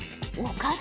岡田